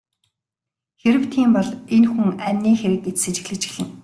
Хэрэв тийм бол энэ хүн амины хэрэг гэж сэжиглэж эхэлнэ.